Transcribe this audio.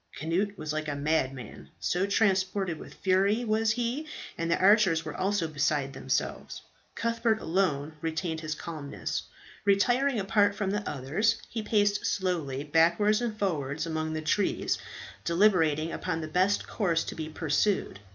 Cnut was like a madman, so transported with fury was he; and the archers were also beside themselves. Cuthbert alone retained his calmness. Retiring apart from the others, he paced slowly backwards and forwards among the trees, deliberating upon the best course to be pursued.